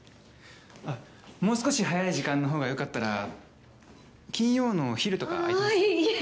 もう少し早い時間のほうが良かったら金曜のお昼とかが空いてます。